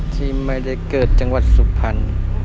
ที่ไม่ได้เกิดจังหวัดสุพรรณ